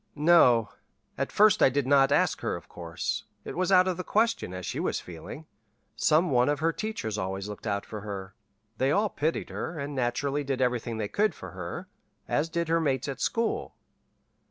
"No. At first I did not ask her, of course. It was out of the question, as she was feeling. Some one of her teachers always looked out for her. They all pitied her, and naturally did everything they could for her, as did her mates at school.